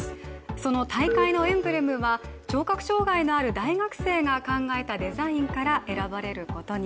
その大会のエンブレムは聴覚障害のある大学生が考えたデザインから選ばれることに。